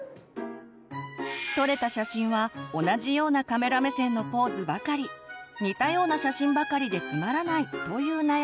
撮れた写真は同じようなカメラ目線のポーズばかり似たような写真ばかりでつまらないという悩みも。